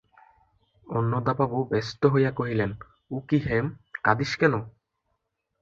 অন্নদাবাবু ব্যস্ত হইয়া কহিলেন, ও কী হেম, কাঁদিস কেন?